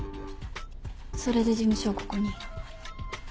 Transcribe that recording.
それで事務所をここに？